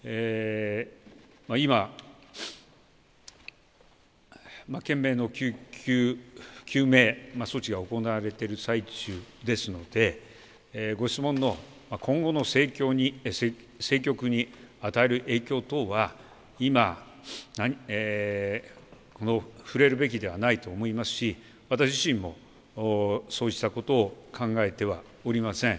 今、懸命の救急、救命措置が行われている最中ですのでご質問の今後の政局に与える影響等は今、触れるべきではないと思いますし私自身もそうしたことを考えてはおりません。